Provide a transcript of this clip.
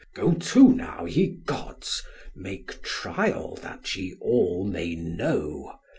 Go to now, ye gods, make trial that ye all may know.